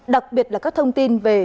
đặc biệt là các thông tin về